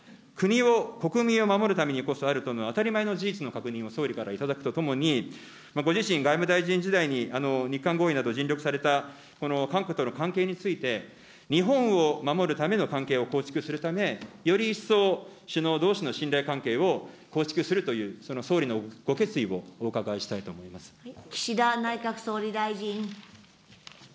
外交とは、国を、国民を守るためにこそあるとの、当たり前の事実の確認を、総理からいただくとともに、ご自身、外務大臣時代に、日韓合意など尽力されたこの韓国との関係について、日本を守るための関係を構築するため、より一層、首脳どうしの信頼関係を構築するという、総理のご決意をお伺岸田内閣総理大臣。